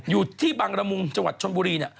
อยู่ที่บังระมุงจังหวัดชนบุรีเนี่ย